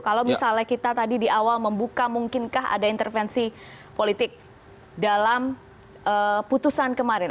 kalau misalnya kita tadi di awal membuka mungkinkah ada intervensi politik dalam putusan kemarin